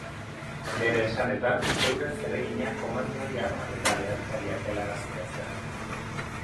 Bere esanetan, euren zeregina komandoei armak eta leherkariak helaraztea zen.